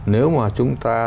nếu mà chúng ta